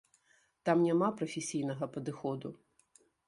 Там няма прафесійнага падыходу.